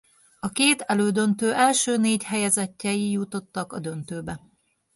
A két elődöntő első négy helyezettjei jutottak a döntőbe.